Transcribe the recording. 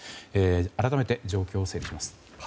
改めて状況を整理します。